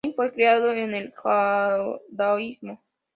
Klein fue criado en el judaísmo.